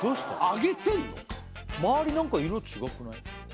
揚げてんのか周りなんか色違くない？